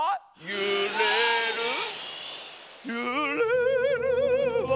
ゆれるは。